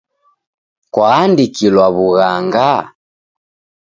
Kwaandikilwaw'ughanga?